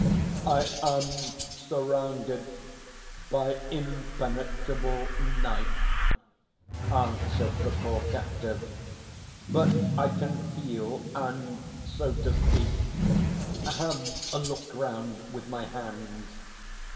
"I am surrounded by impenetrable night," answered the poor captive; "but I can feel and, so to speak, have a look round with my hands....